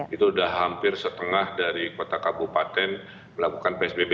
itu sudah hampir setengah dari kota kabupaten melakukan psbb